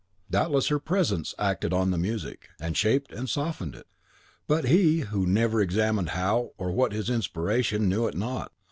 Doubtless her presence acted on the music, and shaped and softened it; but, he, who never examined how or what his inspiration, knew it not.